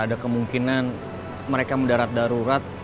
ada kemungkinan mereka mendarat darurat